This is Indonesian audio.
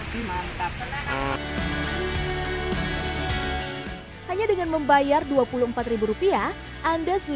tidak cuma daerahnya namanya juga is sharme atau lebihan garam